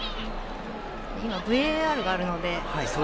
今、ＶＡＲがあるので。